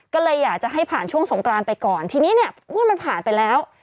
ก็เลยอยากจะให้ผ่านช่วงสงกรานไปก่อนทีนี้เนี่ยอุ้ยมันผ่านไปแล้ว